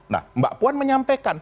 nah mbak puan menyampaikan